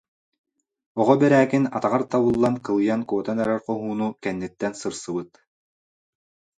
Оҕо Бэрээкин атаҕар табыллан кылыйан куотан эрэр хоһууну кэнниттэн сырсыбыт